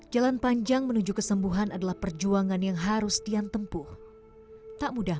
jalan panjang menuju kesembuhan adalah perjuangan yang harus dian tempuh tak mudah